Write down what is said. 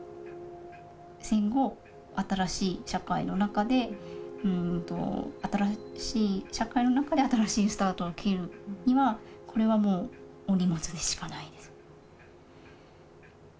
戦後新しい社会の中で新しい社会の中で新しいスタートを切るにはこれはもうお荷物でしかないですよね。